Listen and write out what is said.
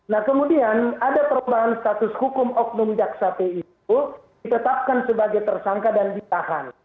nah kemudian ada perubahan status hukum oknum jaksa pi itu ditetapkan sebagai tersangka dan ditahan